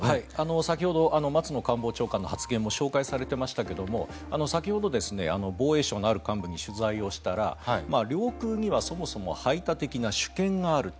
先ほど松野官房長官の発言も紹介されていましたが先ほど、防衛省のある幹部に取材をしたら領空にはそもそも排他的な主権があると。